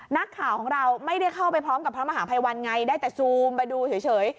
นักข่าวของเราไม่ได้เข้าไปพร้อมกับพระมหาภัยวันไงได้แต่ซูมไปดูเฉย